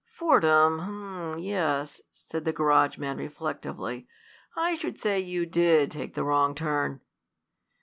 "Fordham um, yes," said the garage man, reflectively. "I should say you did take the wrong turn!"